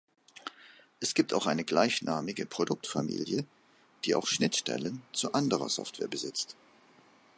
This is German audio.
Es gibt auch eine gleichnamige Produktfamilie, die auch Schnittstellen zu anderer Software besitzt.